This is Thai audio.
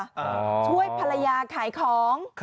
ช่วยภรรยาขายของ